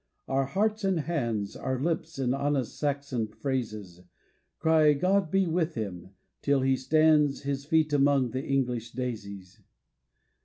Our hearts and hands, Our lips in honest Saxon phrases, Cry, God be with him, till he stands His feet among the English daisies!